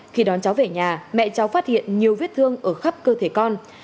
khi đón cháu về nhà mẹ cháu phát hiện nhiều vết thương ở khắp cơ thể con